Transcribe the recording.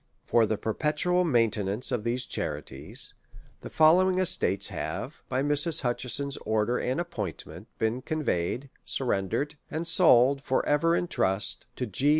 Por the perpetual maintenance of these charities'. I THE REV. W. LAW. XUt the following estates have, by Mrs. Hutcheson's oitler and appointment, been conveyed, surrendered, and sold, tor ever in trust, to G.